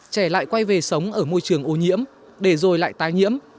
trẻ lại quay về sống ở môi trường ô nhiễm để rồi lại tái nhiễm